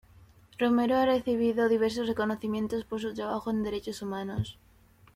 Romero ha recibido diversos reconocimientos por su trabajo en derechos humanos.